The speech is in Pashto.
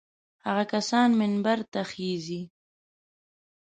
هغه کسان منبر ته خېژي.